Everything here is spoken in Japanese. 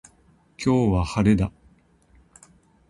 今日は、晴れだ。